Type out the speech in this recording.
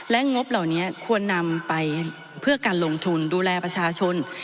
งบเหล่านี้ควรนำไปเพื่อการลงทุนดูแลประชาชน